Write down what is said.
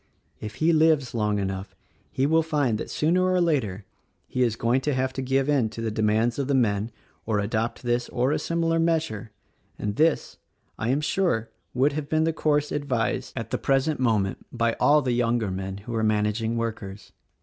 If he lives long enough he will find that sooner or later he is going to have to give in to the demands of the men or adopt this or a similar measure; and this, I am sure, would have been the course advised at the 104 THE RECORDING ANGEL present moment by all the younger men who are managing workers.